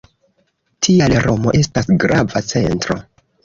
Tial, Romo estas grava centro.